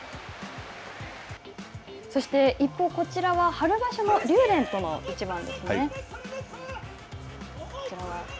そして一方こちらは、春場所の竜電との一番ですね。